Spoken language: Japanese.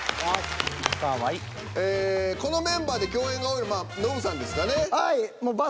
このメンバーで共演が多いのはノブさんですかね。